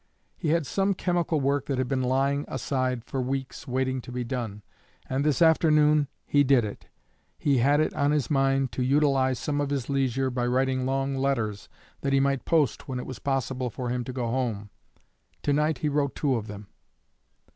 He had some chemical work that had been lying aside for weeks waiting to be done, and this afternoon he did it. He had it on his mind to utilize some of his leisure by writing long letters that he might post when it was possible for him to go home; to night he wrote two of them.